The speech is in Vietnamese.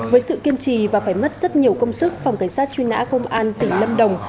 với sự kiên trì và phải mất rất nhiều công sức phòng cảnh sát truy nã công an tỉnh lâm đồng